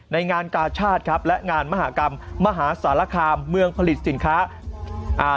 งานกาชาติครับและงานมหากรรมมหาสารคามเมืองผลิตสินค้าอ่า